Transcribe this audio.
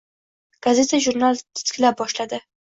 Gazeta-jurnal titkilab boshladi.